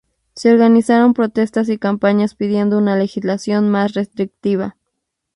Se organizaron protestas y campañas pidiendo una legislación más restrictiva.